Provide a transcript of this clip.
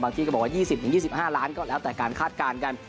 ที่ก็บอกว่า๒๐๒๕ล้านก็แล้วแต่การคาดการณ์กัน